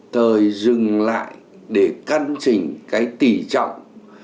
thời dừng lại để cân chỉnh cái tỉ trọng